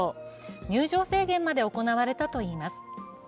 入場制限まで行われたといいます。